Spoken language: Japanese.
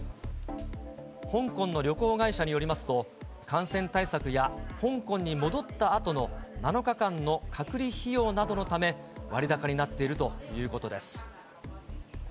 香港の旅行会社によりますと、感染対策や、香港に戻ったあとの７日間の隔離費用などのため、割高になっているということです。